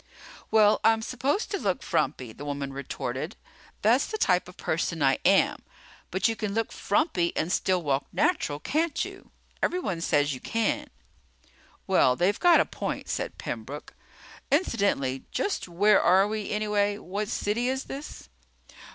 "Well, I'm supposed to look frumpy," the woman retorted. "That's the type of person I am. But you can look frumpy and still walk natural, can't you? Everyone says you can." "Well, they've got a point," said Pembroke. "Incidentally, just where are we, anyway? What city is this?"